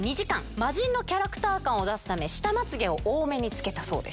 魔人のキャラクター感を出すため、下まつげを多めにつけたそうです。